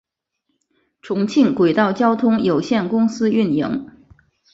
重庆轨道交通有限公司运营。